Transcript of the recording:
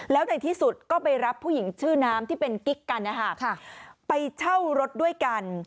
แล้วในที่สุดก็ไปรับผู้หญิงชื่อน้ำที่เป็นกิ๊กกัน